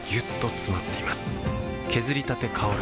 削りたて香る